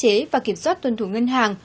phát triển và kiểm soát tuân thủ ngân hàng